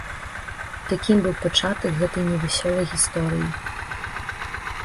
Такім быў пачатак гэтай невясёлай гісторыі.